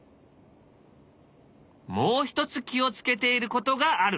もう一つ気を付けていることがある。